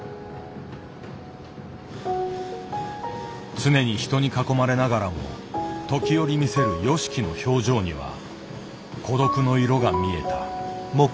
常に人に囲まれながらも時折見せるＹＯＳＨＩＫＩの表情には孤独の色が見えた。